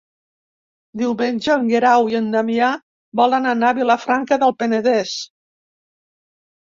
Diumenge en Guerau i en Damià volen anar a Vilafranca del Penedès.